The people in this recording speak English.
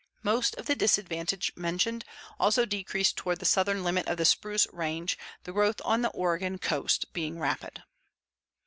Most of the disadvantages mentioned also decrease toward the southern limit of the spruce range, the growth on the Oregon Coast being rapid.